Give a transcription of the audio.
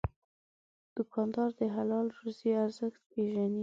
دوکاندار د حلال روزي ارزښت پېژني.